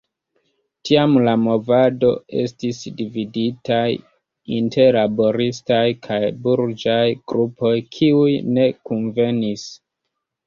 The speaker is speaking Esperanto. Tiam la movado estis dividitaj inter laboristaj kaj burĝaj grupoj, kiuj ne kunvenis.